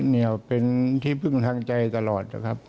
เหนียวเป็นที่พึ่งทางใจตลอดนะครับ